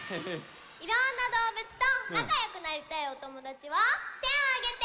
いろんなどうぶつとなかよくなりたいおともだちはてをあげて！